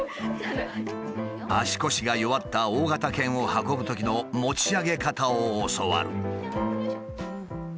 足腰が弱った大型犬を運ぶときの持ち上げ方を教わる。